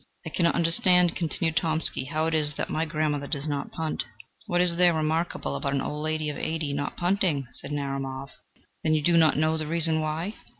"I cannot understand," continued Tomsky, "how it is that my grandmother does not punt." "What is there remarkable about an old lady of eighty not punting?" said Narumov. "Then you do not know the reason why?"